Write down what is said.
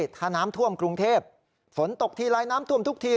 ถ้าน้ำท่วมกรุงเทพฝนตกทีไรน้ำท่วมทุกที